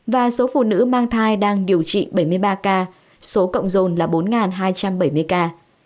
và số phụ nữ mang thai đang điều trị bảy mươi ba ca số cộng dồn là bốn hai trăm bảy mươi ca